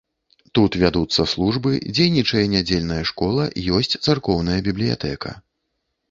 Тут вядуцца службы, дзейнічае нядзельная школа, ёсць царкоўная бібліятэка.